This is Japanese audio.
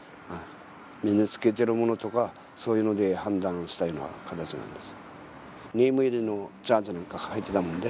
身に着けてるものとかそういうので判断したような形なんです